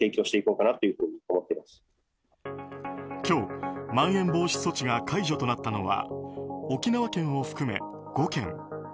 今日、まん延防止措置が解除となったのは沖縄県を含め５県。